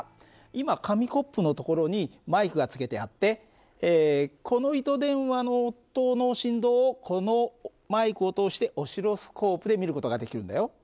今紙コップの所にマイクがつけてあってこの糸電話の音の振動をこのマイクを通してオシロスコープで見る事ができるんだよ。